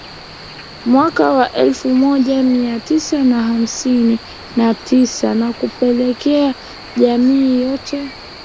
mwaka wa elfu moja Mia Tisa na hamsini na tisa na kupelekea jamii yote